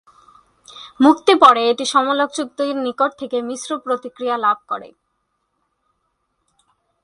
মুক্তি পরে এটি সমালোচকদের নিকট থেকে মিশ্র প্রতিক্রিয়া লাভ করে।